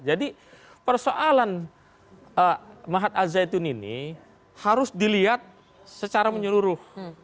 jadi persoalan mahat al zaitun ini harus dilihat secara menyeluruh